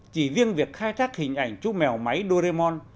chỉ riêng việc khai thác hình ảnh chú mèo máy doremon